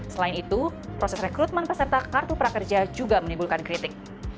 selain itu proses rekrutmen peserta kartu prakerja juga menimbulkan kritik